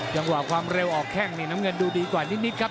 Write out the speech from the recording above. ความเร็วออกแข้งนี่น้ำเงินดูดีกว่านิดครับ